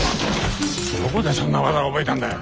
どこでそんな技を覚えたんだ。